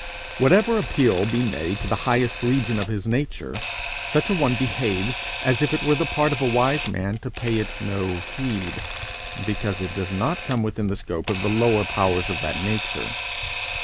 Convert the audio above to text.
Whatever appeal be made to the highest region of his nature, such a one behaves as if it were the part of a wise man to pay it no heed, because it does not come within the scope of the lower powers of that nature.